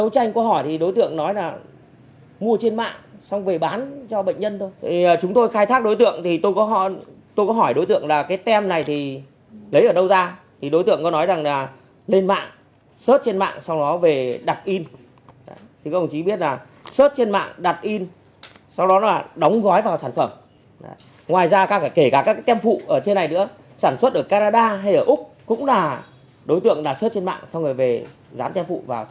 sản xuất ở canada hay ở úc cũng là đối tượng là search trên mạng xong rồi về giám tem phụ vào sản phẩm